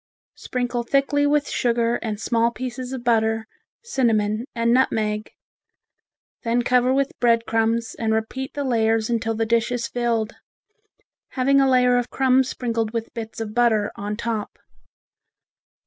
Sprinkle thickly with sugar and small pieces of butter, cinnamon and nutmeg, then cover with bread crumbs and repeat the layers until the dish is filled, having a layer of crumbs sprinkled with bits of butter on top.